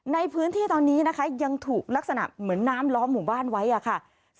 ในพื้นที่ตอนนี้นะคะยังถูกลักษณะเหมือนน้ำล้อมหมู่บ้านไว้ค่ะ